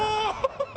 ハハハハ。